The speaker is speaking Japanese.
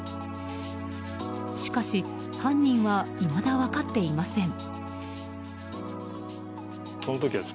しかし、犯人はいまだ分かっていません。